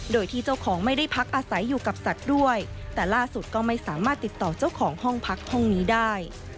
โดยที่เจ้าของไม่ได้พักอาศัยอยู่กับสัตว์ด้วยแต่ล่าสุดก็ไม่สามารถติดต่อเจ้าของห้องพักห้องนี้ได้